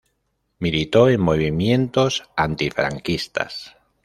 Militó en movimientos antifranquistas.